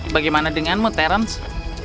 bagaimana denganmu terence